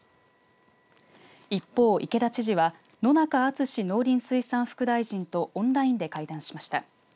一方、池田知事は野中厚農林水産副大臣とオンラインで会談しました。